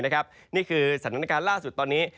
นี่คือสถานการณ์ล่าสุดตอนนี้